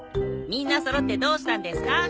みんなそろってどうしたんですか？